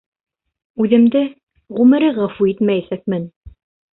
Үҙемде ғүмере ғәфү итмәйәсәкмен!